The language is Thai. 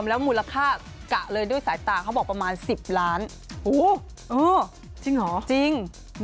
ใส่กับประมาณไหนอะไม่รู้จริง